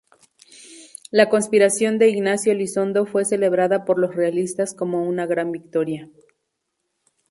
La conspiración de Ignacio Elizondo fue celebrada por los realistas como una gran victoria.